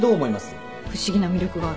不思議な魅力があるんだよね